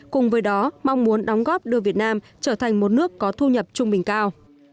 cùng với đó mong muốn đóng góp đưa việt nam trở thành một nước có thu nhập trung bình cao